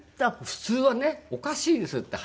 普通はね「おかしいですよ」って。